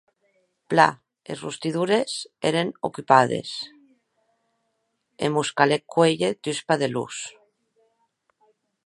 Plan, es rostidoires èren ocupades e mos calèc cuélher dus padelons.